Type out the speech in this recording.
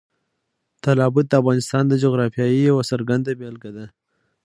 تالابونه د افغانستان د جغرافیې یوه څرګنده بېلګه ده.